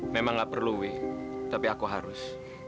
memang tidak perlu wih tapi saya harus